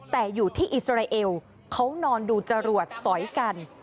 แต่อยู่ที่อิสราเอลเขานอนดูจรวดสอยกัน